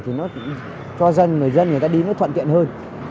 thì nó cho dân người ta đi nó thuận tiện hơn